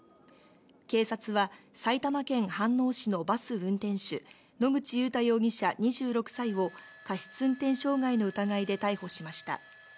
警察は埼玉県飯能市のバス運転手、野口祐太容疑者、２６歳を過失運転傷害の疑いで逮捕しました。